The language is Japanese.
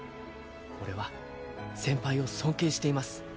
俺は先輩を尊敬しています